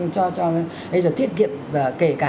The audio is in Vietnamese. cho tiết kiệm và kể cả